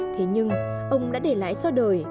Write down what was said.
thế nhưng ông đã để lại sau đời